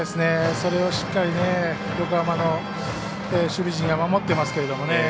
それをしっかり横浜の守備陣が守っていますけれどもね。